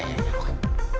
aku mau butuh informasi